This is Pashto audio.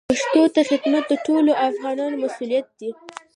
پښتو ته خدمت د ټولو افغانانو مسوولیت دی.